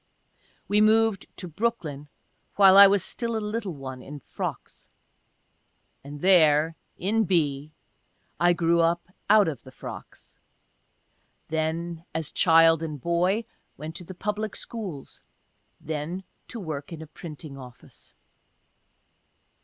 We moved to Brooklyn while I was still a little one in frocks — and there in B. I grew up out of the frocks — then, as child and boy, went to the public schools — then to work in a printing office.